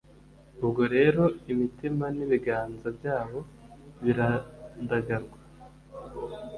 Ubwo rero, imitima n’ibiganza byabo biradagadwa,